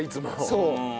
そう。